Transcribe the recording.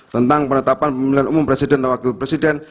tentang penetapan pemilihan umum presiden dan wakil presiden